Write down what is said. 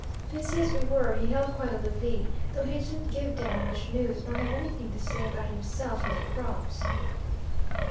Busy as we were, he held quite a levee, though he didn't give down much news, nor have anything to say about himself or the crops.